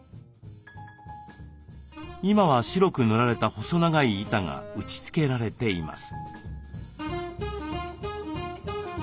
今は白く塗られた細長い板が打ちつけられています。